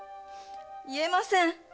言えません。